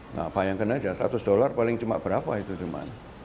nah bayangkan aja seratus dolar paling cuma berapa itu cuma